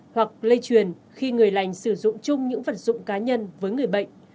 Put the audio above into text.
hoặc lây truyền khi người lành sử dụng chung những vật dụng cá nhân với người bệnh